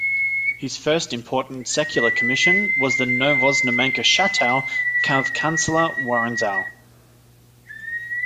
His first important secular commission was the Novoznamenka chateau of Chancellor Woronzow.